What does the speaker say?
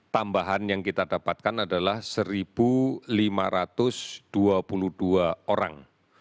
tambahan yang kita dapatkan adalah satu lima ratus dua puluh dua orang